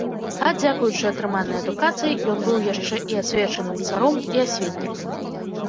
А дзякуючы атрыманай адукацыі, ён быў яшчэ і асвечаным царом і асветнікам.